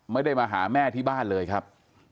ไม่ได้มาหาแม่ที่บ้านเลยครับ